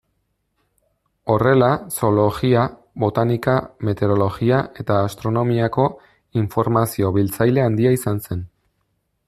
Horrela, zoologia, botanika, meteorologia eta astronomiako informazio-biltzaile handia izan zen.